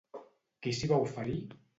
Qui s'hi va oferir?